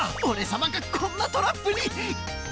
オレさまがこんなトラップに！